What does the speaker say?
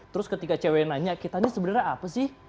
terus ketika cewek nanya kita ini sebenarnya apa sih